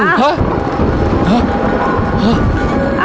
อ้าว